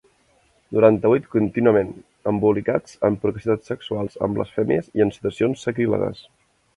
Noranta-vuit contínuament, embolicats en procacitats sexuals, en blasfèmies i en situacions sacrílegues.